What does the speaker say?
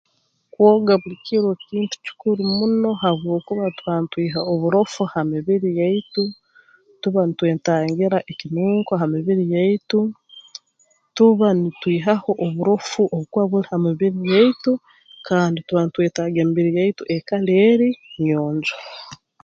Kwoga buli kiro kintu kikuru muno habwokuba tuba ntwiha oburofa ha mibiri yaitu tuba ntwetangira ekinunko ha mibiri yaitu tuba nitwihaho oburofu obukuba buli ha mibiri yaitu kandi tuba ntwetaaga emibiri yaitu ekale eri nyonjo